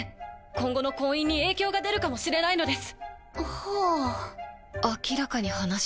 今後の婚姻に影響が出るかもしれないのです。